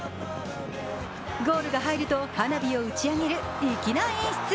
ゴールが入ると花火を打ち上げる粋な演出。